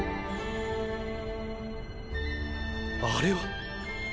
あれは！？